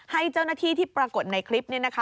ให้เจ้าหน้าที่ที่ปรากฏในคลิปนี้นะคะ